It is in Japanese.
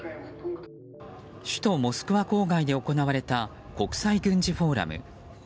首都モスクワ郊外で行われた国際軍事フォーラム。